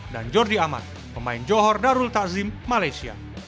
jordi amat pemain johor darul takzim malaysia